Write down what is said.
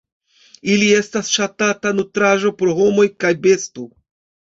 Ili estas ŝatata nutraĵo por homo kaj besto.